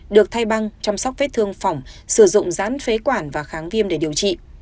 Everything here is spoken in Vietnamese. được thay băng chăm sóc vết thương phỏng sử dụng rán phế quản và kháng viêm để điều trị